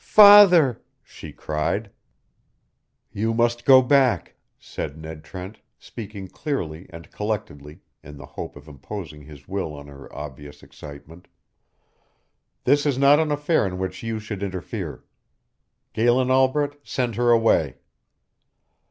"Father!" she cried. "You must go back," said Ned Trent, speaking clearly and collectedly, in the hope of imposing his will on her obvious excitement. "This is not an affair in which you should interfere. Galen Albret, send her away."